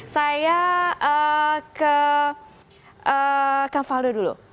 saya ke kang faldo dulu